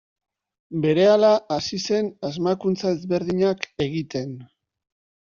Berehala hasi zen asmakuntza ezberdinak egiten.